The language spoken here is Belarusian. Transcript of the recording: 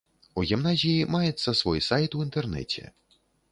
У гімназіі маецца свой сайт у інтэрнэце.